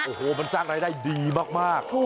โอ้โหมันสร้างรายได้ดีมาก